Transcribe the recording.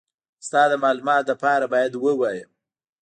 ستا د مالوماتو دپاره بايد ووايم.